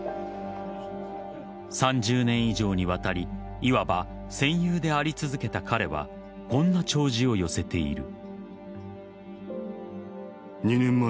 ３０年以上にわたりいわば戦友であり続けた彼はこんな弔辞を寄せている。